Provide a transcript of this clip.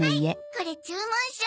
これ注文書。